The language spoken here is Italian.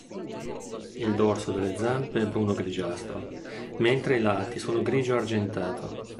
Il dorso delle zampe è bruno-grigiastro, mentre i lati sono grigio-argentato.